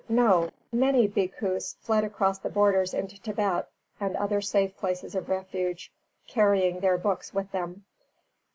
No. Many Bhikkhus fled across the borders into Tibet and other safe places of refuge, carrying their books with them.